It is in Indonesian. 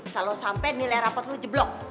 kalau sampai nilai reput lu jeblok